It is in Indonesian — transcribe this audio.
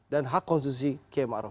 dan hak konstitusi